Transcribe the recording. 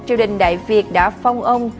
triều đình đại việt đã phong ông